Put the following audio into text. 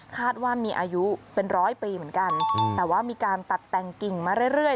คาดว่ามีอายุเป็นร้อยปีเหมือนกันแต่ว่ามีการตัดแต่งกิ่งมาเรื่อย